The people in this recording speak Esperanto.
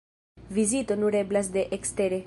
Vizito nur eblas de ekstere.